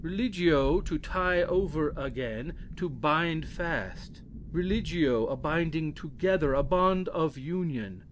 Religo, to tie over again, to bind fast; religio, a binding together, a bond of union.